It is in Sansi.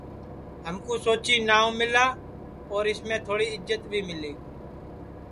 ہمکو سوچی ناو ملا اور اُس میں تھوڑی عزت بھی ملی